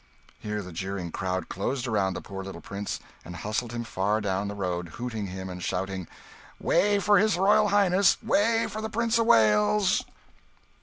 Here the jeering crowd closed round the poor little prince, and hustled him far down the road, hooting him, and shouting "Way for his Royal Highness! Way for the Prince of Wales!"